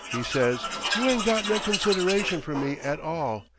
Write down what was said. he says, 'you ain't got no consideration for me at all.